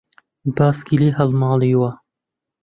باسکی لێ هەڵماڵیوە